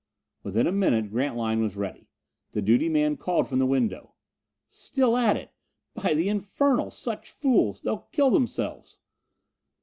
Within a minute Grantline was ready. The duty man called from the window: "Still at it! By the infernal, such fools! They'll kill themselves!"